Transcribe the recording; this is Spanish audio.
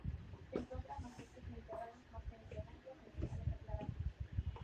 Se encuentra en los bosques mediterráneos, márgenes de ramblas, encinares aclarados.